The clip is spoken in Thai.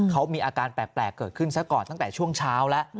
เขามีอาการแปลกเกิดขึ้นซะก่อนตั้งแต่ช่วงเช้าแล้ว